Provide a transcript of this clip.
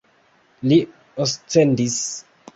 Li oscedis.